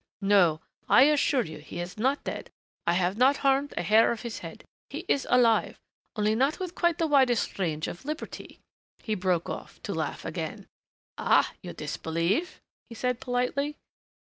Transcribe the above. "No, I assure you he is not dead I have not harmed a hair of his head. He is alive only not with quite the widest range of liberty " He broke off to laugh again. "Ah, you disbelieve?" he said politely.